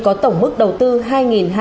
có tổng mức đầu tư hai hai trăm linh đồng